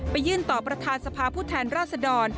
ยื่นต่อประธานสภาพผู้แทนราชดร